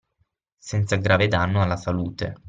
Senza grave danno alla salute